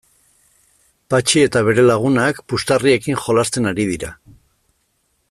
Patxi eta bere lagunak puxtarriekin jolasten ari dira.